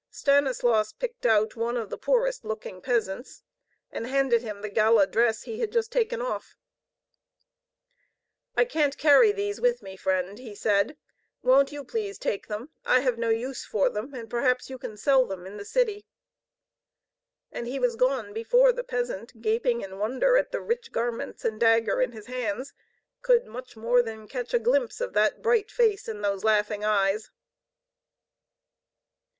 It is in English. Stanislaus picked out one of the poorest looking peasants and handed him the gala dress he had just taken off. "I can't carry these with me, friend," he said. "Won't you please take them? I have no use for them, and perhaps you can sell them in the city." And he was gone before the peasant, gaping in wonder at the rich garments and dagger in his hands, could much more than catch a glimpse of that bright face and those laughing eyes.